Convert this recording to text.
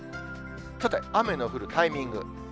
さて、雨の降るタイミング。